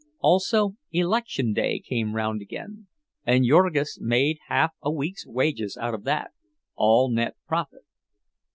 Also election day came round again, and Jurgis made half a week's wages out of that, all net profit.